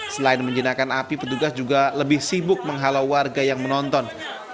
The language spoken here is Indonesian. selain menjinakkan api petugas juga lebih sibuk menghalau warga yang menonton